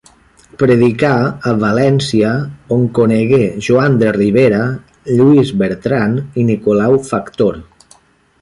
Predicà a València, on conegué Joan de Ribera, Lluís Bertran i Nicolau Factor.